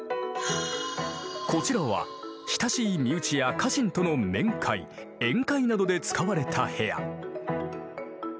こちらは親しい身内や家臣との面会宴会などで使われた部屋。